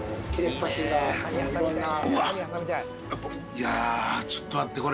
いやちょっと待ってこれ。